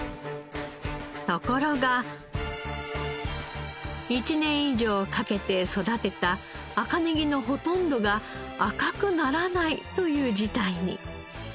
ところが１年以上かけて育てた赤ネギのほとんどが赤くならないという事態に。